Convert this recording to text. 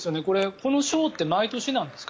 この賞って毎年なんですか？